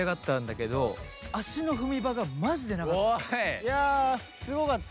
いやすごかった。